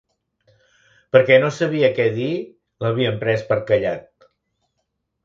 Perquè no sabia què dir, l'havien pres per callat